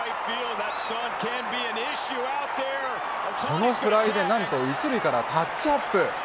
このフライで何と１塁からタッチアップ。